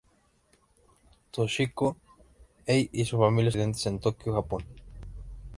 Toshiko Ei y su familia, son residentes en Tokio, Japón.